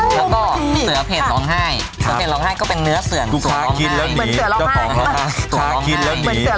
แล้วก็เสือเพรศรองไห้แบบขาคินแล้วดี